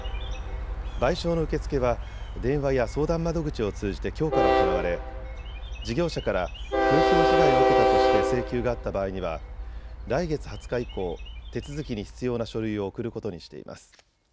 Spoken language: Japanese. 賠償の受け付けは電話や相談窓口を通じてきょうから行われ事業者から風評被害を受けたとして請求があった場合には来月２０日以降、手続きに必要な書類を送ることにしています。